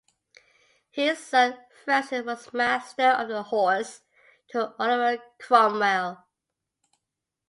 His son Francis was Master of the Horse to Oliver Cromwell.